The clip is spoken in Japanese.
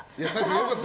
良かった。